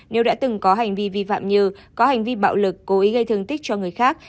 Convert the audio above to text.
nếu đã từng có hành vi vi phạm như có hành vi bạo lực cố ý gây thương tích cho người khác